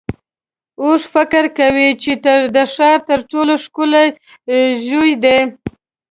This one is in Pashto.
اوښ فکر کوي چې د ښار تر ټولو ښکلی ژوی دی.